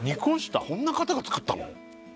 こんな方が作ったの？